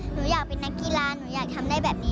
หนูอยากเป็นนักกีฬาหนูอยากทำได้แบบนี้